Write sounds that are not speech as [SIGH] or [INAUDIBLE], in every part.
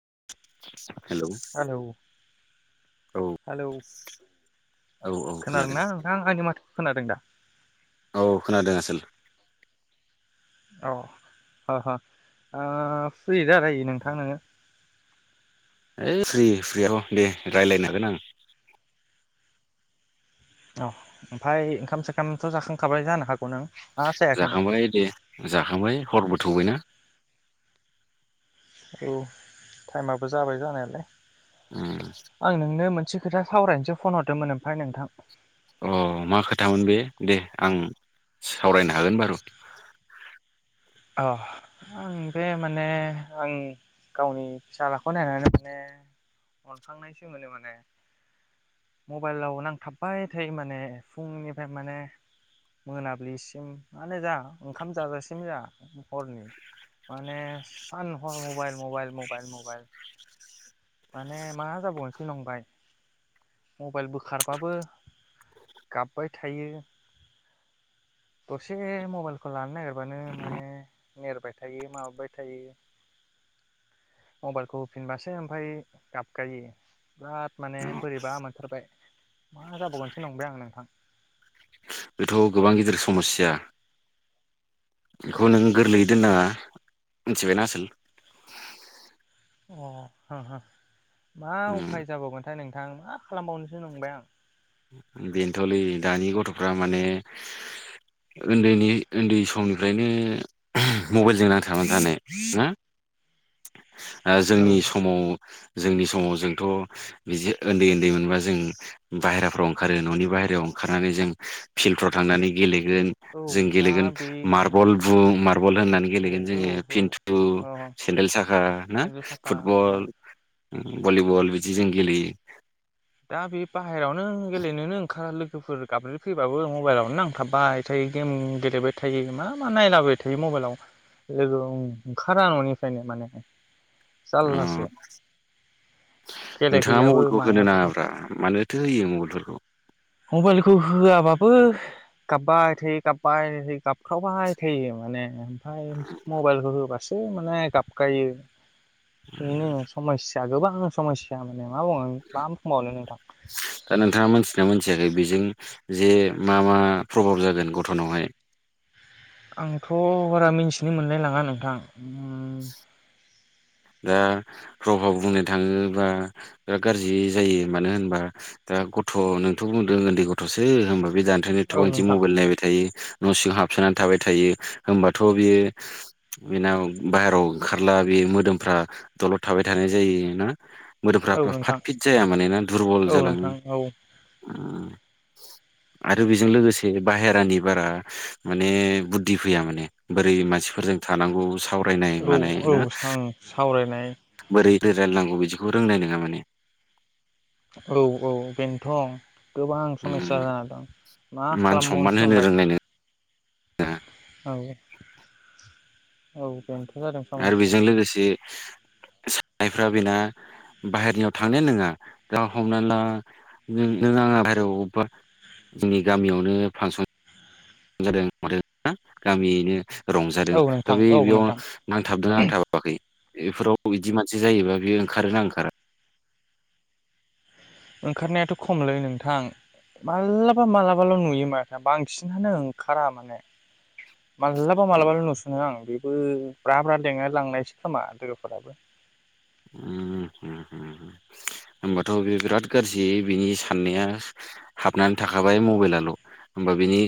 [INAUDIBLE] Hello औ hello औ औ खोनादों ना नोंथां आंनि माथो खोनादों दा औ खोनादों आसोल औ ह ह ओ फ्रि जालाय नोंथां नोङो। ओ फ्रि फ्रि दे आव रायज्लायनो हागोन आं। औ ओमफ्राय ओंखाम सोखामथ' जाखांखाबाय जानो हागौ नों ना जायाखैनो जाखांबाय दे जाखांबाय हरबो थौबायना औ टाइमाबो जाबाय जानायालाय। उम आं नोंनो मोन से खोथा सावरायनोसो फन हरदोंमोन ओमफ्राय नोंथां। अ मा खोथामोन बे दे आं सावरायनो हागोन बारु। अ बे माने आं गावनि फिसाज्लाखौ नायनानै माने अनखांनायसो मोनो माने मबाइलाव थाबबाय थायो माने फुंनिफ्राय माने मोनाबिलिसिम माने जा ओंखाम जाजासिम जा। हरनि माने सान हर मबाइल मबाइल मबाइल मबाइल माने मा जाबावनोसो नंबाय मबाइल बोखारबाबो गाबबाय थायो। द से मबाइलखौ लानो नागिर बानो माने। नेरबाय थायो माबाबाय थायो मबाइलखौ होफिनबासो ओमफफ्राय गाबगायो। बिराद माने बोरैबा मोनथारबाय मा जाबावगोनसो नंबाय आं नोंथां। बेथ' गोबां गिदिर समस्या बेखौ नों गोरलैयै दोननाङा मिथिबायना आसोल। औ औ हा हा। मा उम उफाय जाबावगोन। फ्राय नोंथां मा खालामबावनोसो नंबाय आं बेनोथ'लै दानि गथ'फ्रा माने उन्दैनि उन्दै समनिफ्रायनो मबाइलजों नांथाबना थानाय ना। [INAUDIBLE] ओ औ जोंनि समाव। जोंनि समाव जोंथ' बिदि उन्दै उन्दै मोनबा जों बाहेराफ्राव ओंखारो न'नि बाहेरायाव ओंखारनानै जों। फिल्डफ्राव थांनानै गेलेगोन औ जों दा गेलेगोन बे मार्बल बुं मार्बल होननानै ओं गेलेगोन औ जोङो खिन्थु। औ अ सेडेल साखा ना सेन्देल साखा औ फुटबल। उम भलिबल बिदि जों गेलेयो। दा बे बाहेरावनो गेलेनोनो ओंखा लो। लोगोफोर गाबज्रि फैबाबो मबाइलावनो नांथाबबाय थायो गेम। अ जारलासो नोंथाङा खेलेहैयाबो मबाइलखौ होनो मायाबो। नाङाब्रा मानोथो होयो मबाइलफोरखौ। मबाइलखौ होआबाबो गाबाब थायो गाबाय थायो। गाबख्रावबाय थायो माने ओमफाय मबाइलखौ होबा। सो माने गाबगायो। बेनों समसा दा गोबां समस्या माने। मा बुंओ बाम। दा नोंथाङा मिथियोना मोनथिया। ए बेजों जे मा मा प्रभाब जागोन गथनावहाय आंथ बारा मिथिनो मोनलाय लाङा नोंथां ओं दा प्रभाब बुंनो थाङोबा बिराद गाज्रि जायो मानो होनबा दा गथ' नोंथ बुंदों उन्दै गथसो होनबा बे जानथायनो औ एथबां इदि नोंथां मबाइल नायबाय थायो न' सिङाव हाबसोनानै थाबाय थायो होमबाथ बियो बेनाव बाहेरायाव ओंखारला बे मोदोम फ्रा दलद थाबाय थानाय जायोना औ मोदोमफ्रा-फ्रा फाट नोंथां फिट जाया मानोना दुरबल औ जालाङो नोंथां औ आरो बेजों लोगोसे बाहेरानि बारा माने बुद्धि फैया माने बोरै मानसिफोरजों थानांगौ सावरायनाय औ मानाय औ ना सां सावरायनाय बिदै रायलायनांगौ बिदिखौ रोंनाय नङा माने औ-औ बेनथ गोबां समेयसा जाना दं मान सनमान होनो रोंनाय नो औ-औ बेनोथ' जादों फारमासिया सानायफ्रा बेना बाहेरनियाव थांनायानो नङा गा हमना ला नों आङा बाहेरायाव बा जोंनि गामियावनो फांसन जादों मादो ना गामियैनो रंजादों औ दा नोंथां बे औ नोंथां बेयाव नांथाबदोंना नांथाबाखै बेफोराव बिदि मानसि जायोबा बेयो ओंखारोना ओंखारा ओंखारनायाथ खमलै नोंथां मालाबा- मालाबाल' नुयो माथो बांसिनानो ओंखारा माने मालाबा - मालाबाल नुसुनो आं बे बो ब्रा-ब्रा लेंना लांनायसो खोमा लोगोफोराबो ओ हो हो हो होमबाथ' बे बिराद गाज्रि बिनि साननाया हाबनानै थाखाबाय मबेलाल होमबा बिनि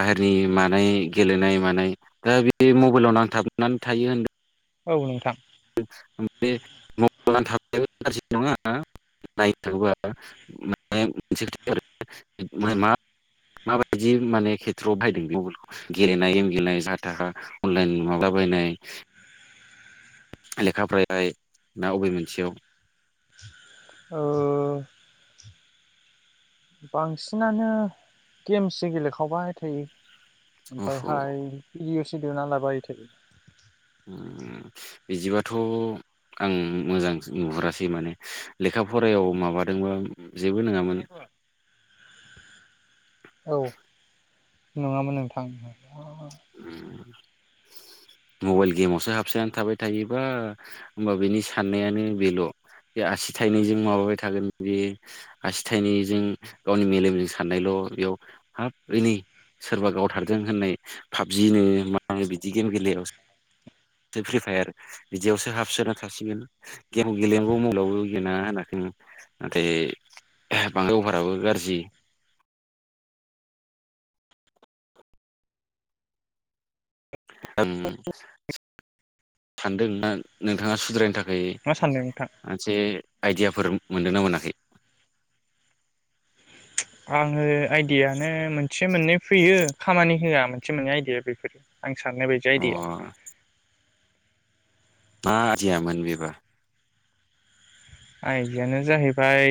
बाहेरनि मानाय गेलेनाय मानाय दा बे मबेलाव नांथाबनानै थायो होन औ नोंथां [UNINTELLIGIBLE] मा मा माबायदि माने खेथ्रआव बाहायदों बे मबेलखौ गेलेनाय गेम गेलेनाय जाहा थाहा अनलाइन माबाला बायनाय लेखा फराय ना बबे मोनसेयाव? ओ बांसिनानो गेमसो गेलेखावबाय थायो अह' ओमफायहाय इस [UNINTELLIGIBLE] लाबाय थायो। ओ बिदिबाथ' आं मोजां नुहुरासै माने लेखा फरायाव माबादोंबा जेबो नङामोन औ नङामोन नोंथां। [INAUDIBLE] मबाइल गेमावसो हाबसोनानै थाबाय थायोबा होमबा बेनि साननायानो बेल' बे आसि थाइनैजों माबाबाय थागोन बे आसि थाइनैजों गावनि मेलेमजों साननायल' बेयाव हाब ओयनै सोरबा गावथारदों होननाय पाबजि नो मानो बिदि गेम गेलेनायावसो फ्रि फायार बिदियावसो हाबसोना थासिगोन गेम गेलेेनांगौ मबेलायावबो गेलेनाङा होनाखै नाथाय बांद्राय अभाराबो गाज्रि ओ सानदोंना नोंथाङा सुद्रायनो थाख यै मा सानदों नोंथां मोनसे आइडियाफोर मोनदो ना मोनाखै? आङो आयडयायानो मोनसे मोननै फैयो खामानि होआ मोनसे मोननै आयदिाया बेफोरो आं साननाय बायदि अ आयदिया मा आयदियामोन बिबा आइदियाआनो जाहैबाय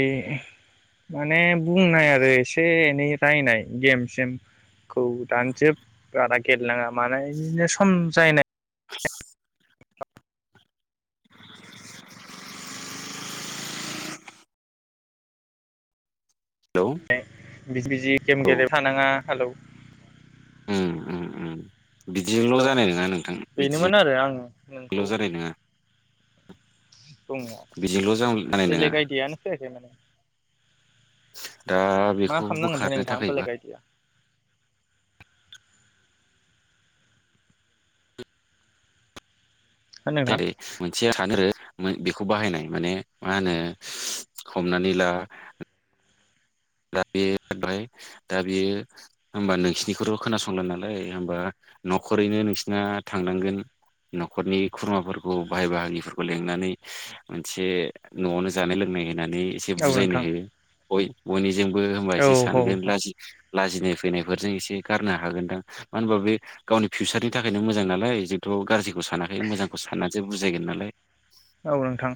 माने बुंनाय आरो एसे एनै रायनाय गेम सेमखौ दानजोब बारा गेलेनाङा माने बिदिनो सम जायनाय [UNINTELLIGIBLE] हेलौ बिज बिजि गेम औ गेलेबाय थानाङा हेल' उम उम बिदिंल' हेलौ जानाय नङा नोंथां बेनोमोन आरो आं बिदिंल' जानाय नङा दङ' बिजोंल' जानाय नङा बेलेग आयदियानो फैयाखै माने [UNINTELLIGIBLE] दा मा बेखौ खालामनांगोनथाय बोखारनो नोंथां थाखायबा बेलेग आइडिया हो नोंथां जेरै मोनसेया थानो बेखौ बाहायनाय माने मा होनो हमनानै ला दा बे उमफ्राय दा बेयो होमबा नोंसिरनिखौथ' खोनासंला नालाय होमबा न'खरैनो नोंसिना थांनांगोन न'खरनि खुरमाफोरखौ बाहाय बाहागिफोरखौ लिंनानै मोनसे न'आवनो जानाय लोंनाय होननानै एसे औ बुजायनो नोंथां होयो। गय बयनि जोंबो होमबा औ एसे औ सानगोन अब्ला ला लाजिनाय फैनायफोरजों एसे गारनो हागोनदां मानो होनबा बे गावनि फिउचारनि थाखायनो मोजां नालाय जोंथ' गाज्रि सानाखै मोजांखौ सानाखै [UNINTELLIGIBLE] बुजायगोन नालाय औ नोंथां।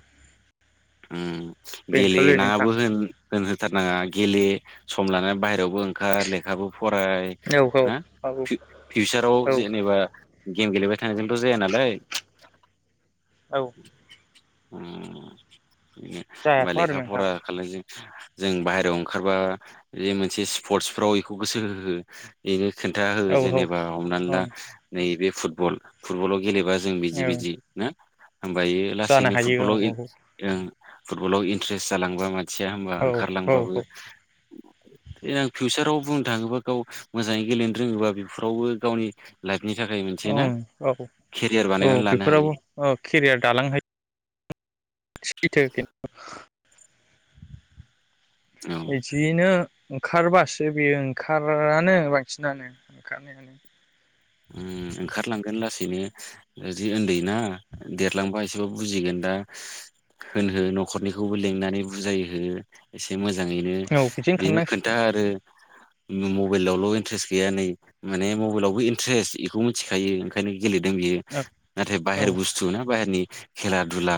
उम बेनोथ'लै नोंथां गेलेेनाबो होन होनो [UNINTELLIGIBLE] गेले सम लानानै बाहेरयावबो ओंखार लेखाबो फराय औ औ ना औ फि-फिउसाराव औ जेनेबा गेम गेलेबाय थानायजोंथ' जाया नालाय औ उम [UNINTELLIGIBLE] जों जायाथ' आरो नोंथां बाहेरायाव ओंखारबा बे मोनसे स्पर्टसफ्राव बेखौ गोसो होहो बेनो खोन्थाहो औ औ जेनेबा हमनानै औ ला नैबे फुटबल फुटबलाव गेले बा जों बिदि औ बिदि ना होमबा इयो जानो लासैनो हायो औ फुटबलाव फुटबलाव इनट्रेस जालांबा माने मिथिया होमबा औ औ ओंखारलांबाबो ए फिउचाराव बुंनो थाङोबा गाव मोजाङै गेलेनो रोङोबा बेफोरावबो गावनि लाइफ औ औ औ बानायनानै लानो हायो बेफोरावबो औ केरियार दालांनो हायो। [UNINTELLIGIBLE] औ बिदिनो ओंखारबासो बेयो ओंखारानो बांसिनानो ओंखारनायानो उम ओंखारलांगोन लासैनो जि उन्दैना देरलांबा एसेबाबो बुजिगोन दा होनहो न'खरनिखौबो लिंनानै बुजायहो एसे एसे मोजाङैनो औ बिदिनो बिनो खोन्था खालामनांसिगोन आरो मबाइलावल' इन्ट्रेस्ट गैया नै माने मबाइलावबो ट्रेस्ट बेखौ मिथिखायो ओंखायनो गेलेदों बियो नाथाय औ औ बाहेर बुस्थु ना बाहेरनि खेला दुला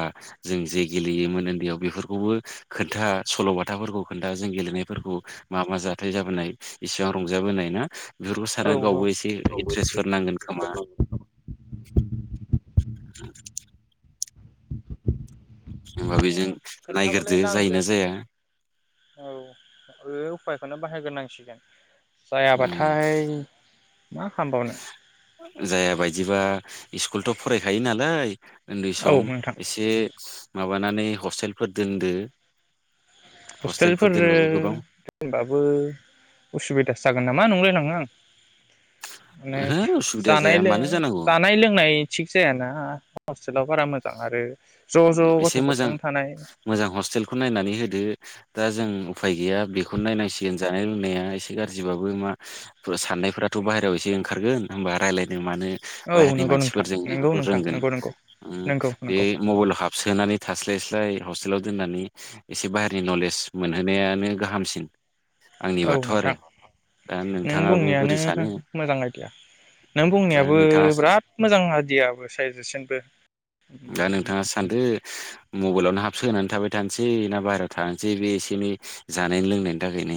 जों जे गेलेयोमोन उन्दैयाव बेफोरखौबो खोन्था सल'बाथाफोरखौ खोन्था जों गेलेनायफोरखौ मा मा जाथाय जाबोनाय इसिबां रंजाबोनाय ना बेफोरखौ औ साननानै गावबो एसे द्रेसफोर नांगोन खोमा होमबा बेजों [INAUDIBLE] खोन्थाबालाय नायग्रोदो जायोना नांगोन जाया औ ओ उफायखौनो बाहायगोनांसिगोन उम जायाबाथाय मा खालामबावनो? जाया बायदिबा‌ स्कुलथ' फरायखायो नालाय उन्दै औ सम नोंथां एसे माबानानै हस्टेलफोर दोनदो हस्टेलफोर दोनबाबो गोबां दोनबाबो उसुबिदासो जागोन नामा नंलायलाङो आं। माने ओहो उसुबिदा जानाय जाया लो मानो जानांगौ जानाय लोंनाय थिग जायाना [UNINTELLIGIBLE] ओनसोलाव बारा मोजां आरो ज' ज' एसे मोजां गथ'फोरजों थानाय मोजां हस्टेलखौ नायनानै होदो दा जों उफाय गैया बेखौनो नायनांसिगोन जानाय लोंनाया एसे गाज्रिबाबो मा साननायफोराथ' बाहेरायाव एसे ओंखारगोन होमबा रायलायनो मानो औ बाहेरनि नंगौ नोंथां मानसिफोरजों नंगौ बेफोरखौ नोंथां रोंगोन नंगौ नंगौ उम नंगौ बे नंगौ मबाइलाव हाबसोनानै थास्लाय स्लाय हस्टेलाव दोननानै एसे बाहेरनि नलेज मोनहोनायानो गाहामसिन। औ आंनिबाथ' आरो नोंथां दा नों नोंथाङाबो बुंनायानो बोरै सानो मोजां आइदिया नों दा बुंनायाबो नोंथाङासो बिराद मोजां आइदियाबो साजेसनबो ओम आ सान दो मबेलावनो हाबसोहोनानै थाबाय थानोसै ना बाहेरायाव थानोसै बे एसे एनै जानायनि लोंनायनि थाखायनो।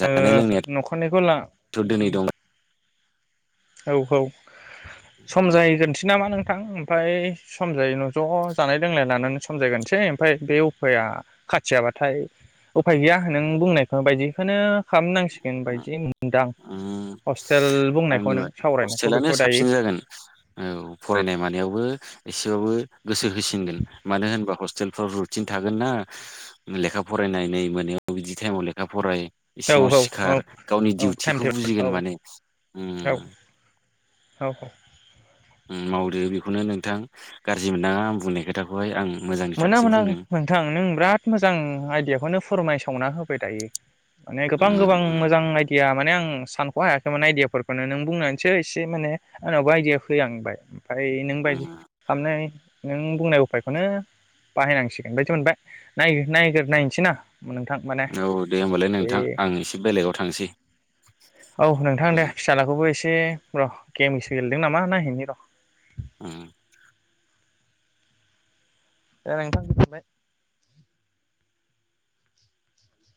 जानाय लोंनाया न'खरनिखौ ला थ' दिनै दं औ औ सम उम जाहैगोनसै नामा नों थां ओमफाय सम जायिनि उनाव ज' जानाय लोंनाय लानानै समजायगोनसै ओमफाय बे उफाया खाथियाबाथाय उफाय गैया नों बुंनायफोर बायदि खोनो खालामनां‌ ओम हस्टेल बुंनायखौ आंनिबा नों सावरायनायखौ हस्टेेलानो बेखौ दायो साबसिन जागोन औ फरायनाय मानायावबो एसेबाबो गोसो होसिनगोन मानो होनबा हस्टेलफ्राव रुटिन थागोनना लेखा फरायनाय नै मोनायाव बिदि टाइमाव लेखा फराय औ इसेमावसि औ औ खार गावनि औ टाइम डिउथिखौ टेबोल औ बुजिगोन माने औ ओम औ औ ओम मावदो बेखौनो नोंथां गाज्रि मोननाङा आं बुंनाय खोथाखौहाय आं मोजांनि मोना थाखायसो मोना बुंदों नोंथां नों ब्राद मोजां आइदियाखौनो फोरमायसावना होब बाय दायो माने गोबां उम गोबां उम मोजां आइदिया माने आं सानख' हायाखैमोन आइदियाफोरखौनो नों बुंनानैसो एसे माने आंनावबो आइदिया फै हांबाय ओमफाय नों बायदि उम खामनाय नों बुंनाय उफायखौनो बाहाय नांसिगोन बायदि मोनबाय नायगो नायगोर नायसै ना। नोंथां माने औ दे होमबालाय ऐ नोंथां आं एसे बेलेगाव थांसै औ नोंथां उम दे फिसाला खौबो एसे दे र' गेमसो गेलेदों नामा नायहैनि र'। ओम। दे नोंथां गोजोनबाय।